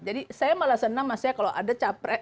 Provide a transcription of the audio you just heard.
jadi saya malah senang kalau ada capres